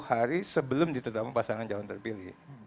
hari sebelum ditetapkan sebagai pasangan dewan terpilih